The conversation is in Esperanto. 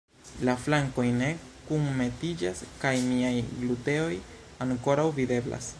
La flankoj ne kunmetiĝas kaj miaj gluteoj ankoraŭ videblas!